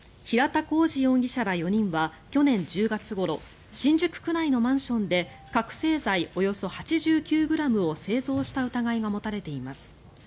平田弘二容疑者ら４人は去年１０月ごろ新宿区内のマンションで覚醒剤およそ８９ｇを製造した疑いが持たれています。